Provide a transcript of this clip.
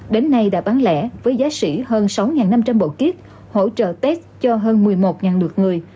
đến nay đã bán lẻ với giá xỉ hơn sáu năm trăm linh bộ kit hỗ trợ test cho hơn một mươi một lượt người